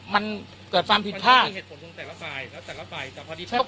มันเกิดความผิดพลาดมันมีเหตุผลส่วนแต่ละฝ่ายแล้วแต่ละฝ่าย